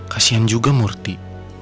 kasian juga murti